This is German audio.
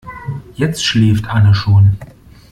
Jetzt schläft Anne schon.